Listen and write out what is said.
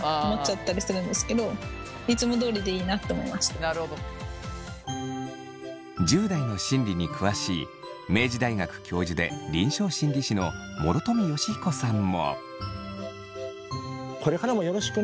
松村さんは何か１０代の心理に詳しい明治大学教授で臨床心理士の諸富祥彦さんも。